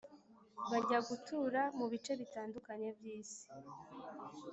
Bajya gutura mu bice bitandukanye by isi